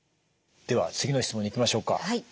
では次の質問にいきましょうか。